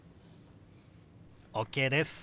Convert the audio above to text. ＯＫです。